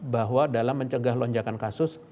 bahwa dalam mencegah lonjakan kasus